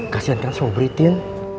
kasian kan sobritin